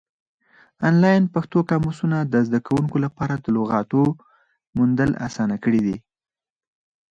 آنلاین پښتو قاموسونه د زده کوونکو لپاره د لغاتو موندل اسانه کړي دي.